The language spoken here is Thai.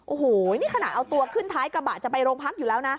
โอ้โหนี่ขนาดเอาตัวขึ้นท้ายกระบะจะไปโรงพักอยู่แล้วนะ